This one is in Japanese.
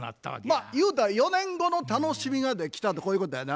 まあゆうたら４年後の楽しみができたとこういうことやな。